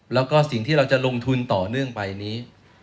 แล้วก็สิ่งที่เราจะลงทุนต่อเนื่องไปนี้